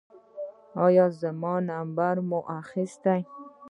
ایا زما نمبر مو واخیست؟